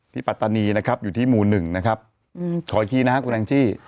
ปัตตานีนะครับอยู่ที่หมู่หนึ่งนะครับขออีกทีนะครับคุณแองจี้